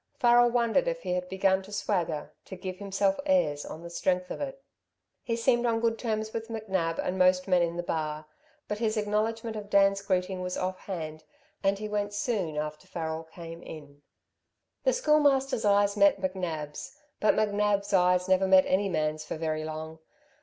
Farrel wondered if he had begun to swagger, to give himself airs on the strength of it. He seemed on good terms with McNab and most of the men in the bar, but his acknowledgment of Dan's greeting was off hand and he went soon after Farrel came in. The Schoolmaster's eyes met McNab's; but McNab's eyes never met any man's for very long.